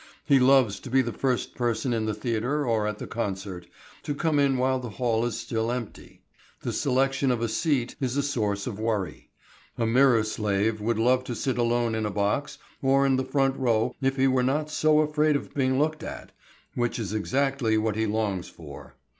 He loves to be the first person in the theatre or at the concert to come in while the hall is still empty. The selection of a seat is a source of worry. A mirror slave would love to sit alone in a box or in the front row if he were not so afraid of being looked at which is exactly what he longs for.